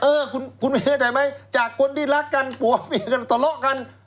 เออคุณไม่แน่ใจไหมจากคนที่รักกันผัวเมียกันทะเลาะกัน